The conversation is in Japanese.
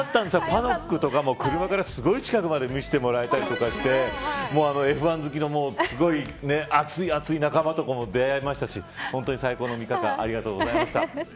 パドックとか車からすごく近くまで見せてもらえたりとかしてＦ１好きのすごい熱い熱い仲間とかとも出会えましたし本当に最高の３日間ありがとうございました。